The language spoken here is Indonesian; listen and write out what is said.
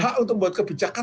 hak untuk membuat kebijakan